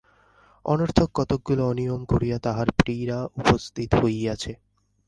অনর্থক কতকগুলা অনিয়ম করিয়া তাহার পীড়া উপস্থিত হইয়াছে।